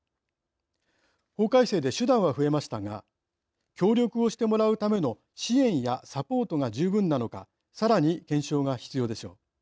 法改正で手段は増えましたが協力をしてもらうための支援やサポートが十分なのかさらに検証が必要でしょう。